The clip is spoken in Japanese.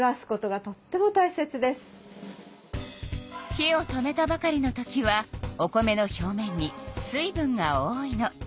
火を止めたばかりのときはお米の表面に水分が多いの。